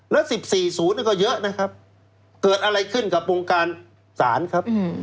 แล้ว๑๔๐ก็เยอะนะครับเกิดอะไรขึ้นกับวงการศาลครับ